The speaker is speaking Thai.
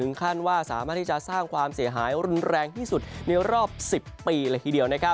คาดว่าสามารถที่จะสร้างความเสียหายรุนแรงที่สุดในรอบ๑๐ปีเลยทีเดียว